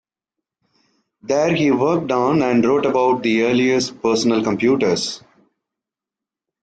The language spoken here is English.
There he worked on and wrote about the earliest personal computers.